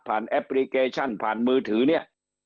แอปพลิเคชันผ่านมือถือเนี่ย